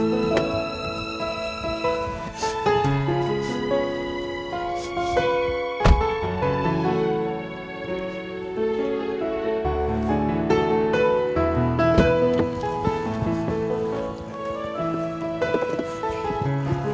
kalau kamu tidak akan sanggup melewatinya